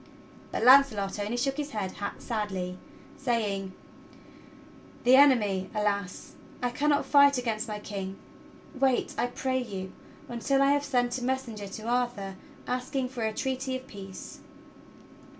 But Launcelot only shook his head sadly, saying: "The enemy! Alas! I cannot fight against my King. Wait, I pray you, until I have sent a messenger to Arthur asking for a treaty of peace."